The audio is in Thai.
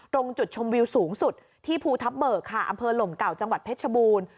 ตรงจุดชมวิวสูงสุดที่ภูทับเบิกค่ะอำเภอหลมเก่าจังหวัดเพชรบูรณ์